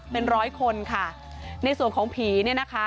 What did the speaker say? เป็นร้อยคนค่ะในส่วนของผีเนี่ยนะคะ